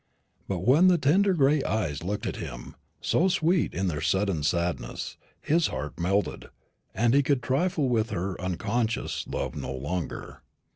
But when the tender gray eyes looked at him, so sweet in their sudden sadness, his heart melted, and he could trifle with her unconscious love no longer.